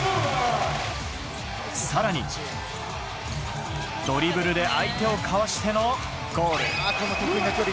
さらにドリブルで相手をかわしてのゴール。